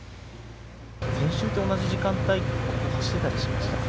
先週と同じ時間帯、ここを走ってたりしました？